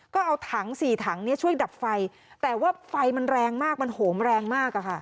ก็เอาถังสี่ถังช่วยดับไฟแต่ว่าไฟมันแรงมากมันโหมแรงมาก